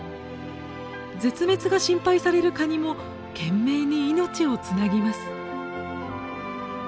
絶滅が心配されるカニも懸命に命をつなぎます。